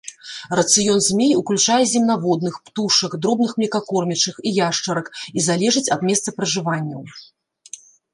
Рацыён змей уключае земнаводных, птушак, дробных млекакормячых і яшчарак, і залежыць ад месцапражыванняў.